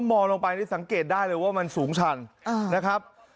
มองลงไปนี่สังเกตได้เลยว่ามันสูงชันนะครับ